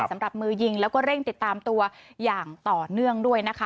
สำหรับมือยิงแล้วก็เร่งติดตามตัวอย่างต่อเนื่องด้วยนะคะ